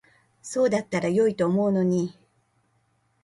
そうだったら良いと思うのに。